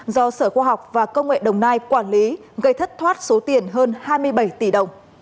do sở khoa học và công nghệ đồng nai quản lý gây thất thoát số tiền hơn hai mươi bảy tỷ đồng